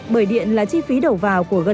bởi điện là chi phí đầu vào của giao